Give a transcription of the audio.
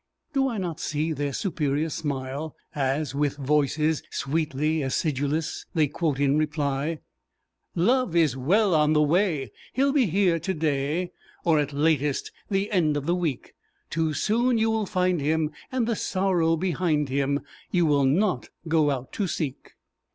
Do I not see their superior smile, as, with voices sweetly acidulous, they quote in reply "Love is well on the way; He'll be here to day, Or, at latest, the end of the week; Too soon you will find him, And the sorrow behind him You will not go out to seek!"